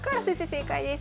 正解です。